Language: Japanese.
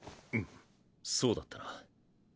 むそうだったな。